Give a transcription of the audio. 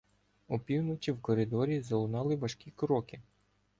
Опівночі в коридорі залунали важкі кроки.